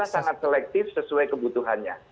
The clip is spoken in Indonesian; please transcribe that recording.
jadi kita sangat selektif sesuai kebutuhannya